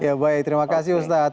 ya baik terima kasih ustadz